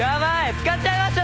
使っちゃいました。